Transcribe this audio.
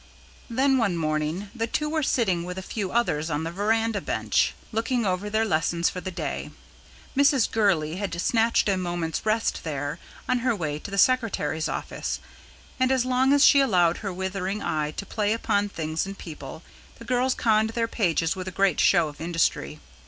Then, one morning, the two were sitting with a few others on the verandah bench, looking over their lessons for the day. Mrs. Gurley had snatched a moment's rest there, on her way to the secretary's office, and as long as she allowed her withering eye to play upon things and people, the girls conned their pages with a great show of industry.